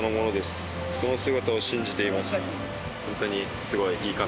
「その姿を信じています」